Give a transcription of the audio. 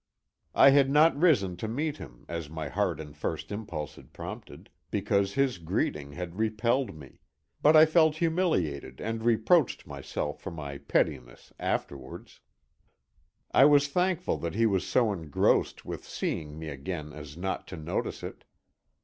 I had not risen to meet him, as my heart and first impulse had prompted, because his greeting had repelled me, but I felt humiliated and reproached myself for my pettiness afterwards. I was thankful that he was so engrossed with seeing me again as not to notice it.